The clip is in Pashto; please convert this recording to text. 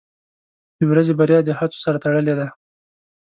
• د ورځې بریا د هڅو سره تړلې ده.